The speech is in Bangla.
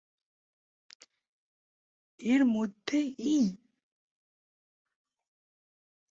এর মধ্যে ই!